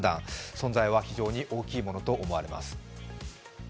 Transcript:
存在は非常に大きいものを思われます。